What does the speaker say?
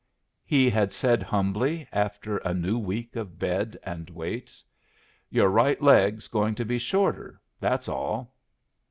he had said, humbly, after a new week of bed and weights. "Your right leg's going to be shorter. That's all."